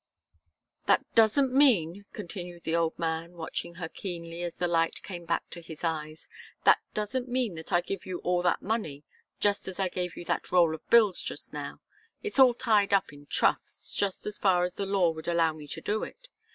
"That doesn't mean," continued the old man, watching her keenly, as the light came back to his eyes, "that doesn't mean that I give you all that money, just as I gave you that roll of bills just now. It's all tied up in trusts, just as far as the law would allow me to do it.